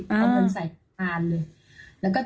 เอาเงินใส่กระแตนเลย